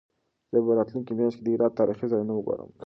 زه به راتلونکې میاشت د هرات تاریخي ځایونه وګورم.